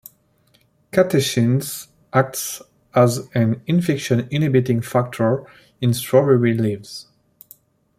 Catechin acts as an infection-inhibiting factor in strawberry leaves.